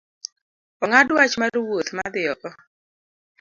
Ong’ad wach mar wuoth madhi oko